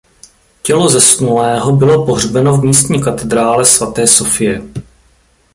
Tělo zesnulého bylo pohřbeno v místní katedrále svaté Sofie.